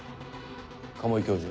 鴨居教授